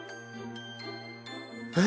えっ？